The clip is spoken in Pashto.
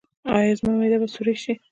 ایا زما معده به سورۍ شي؟